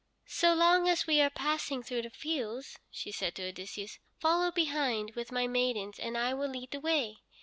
"So long as we are passing through the fields," she said to Odysseus, "follow behind with my maidens, and I will lead the way.